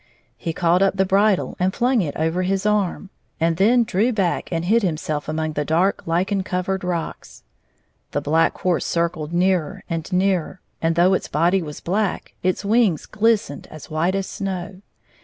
He caught up the bridle and flung it over his arm, 130 and then drew back and hid himself among the dark lichen covered rocks. The Black Horse circled nearer and nearer, and though its body was black, its wings gUstened as white as snow.